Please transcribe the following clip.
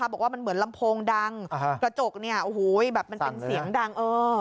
บอกว่ามันเหมือนลำโพงดังกระจกมันเป็นเสียงดัง